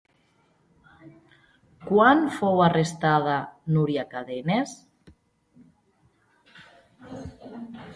Quan fou arrestada Núria Cadenes?